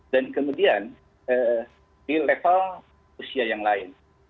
dan kemudian di level usia yang lain